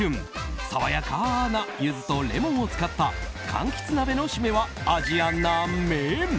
爽やかなゆずとレモンを使った柑橘鍋のシメはアジアンな麺。